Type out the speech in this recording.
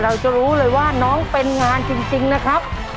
เราจะรู้เลยว่าน้องเป็นงานจริงนะครับ